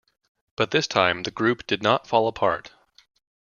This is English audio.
But this time, the group did not fall apart.